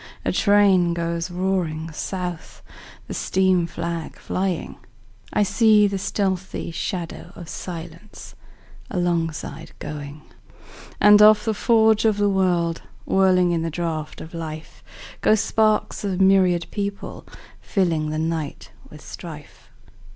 A train goes roaring south, The steam flag flying;I see the stealthy shadow of silenceAlongside going. And off the forge of the world, Whirling in the draught of life, Go sparks of myriad people, fillingThe night with strife.